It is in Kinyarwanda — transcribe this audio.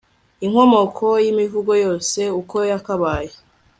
inkomoko yimivugo yose uko yakabaye